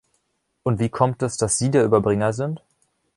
Und wie kommt es, dass Sie der Überbringer sind?